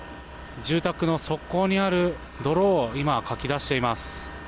住宅の側溝にある泥を今、かき出しています。